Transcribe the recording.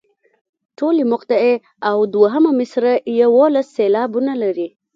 ټولې مقطعې او دوهمه مصرع یوولس سېلابونه لري.